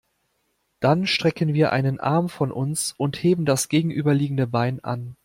Dann strecken wir einen Arm von uns und heben das gegenüberliegende Bein an.